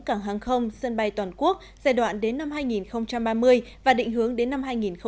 cảng hàng không sân bay toàn quốc giai đoạn đến năm hai nghìn ba mươi và định hướng đến năm hai nghìn bốn mươi